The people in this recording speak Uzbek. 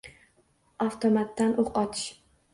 Avtomatdan oʻq otish